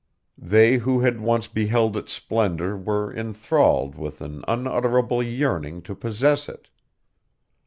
They who had once beheld its splendor were inthralled with an unutterable yearning to possess it.